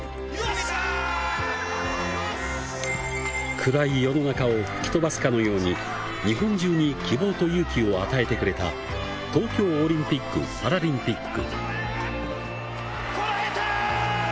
暗い世の中を吹き飛ばすかのように日本中に希望と勇気を与えてくれた東京オリンピック・パラリンピック。